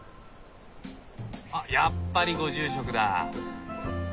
あっやっぱりご住職だ。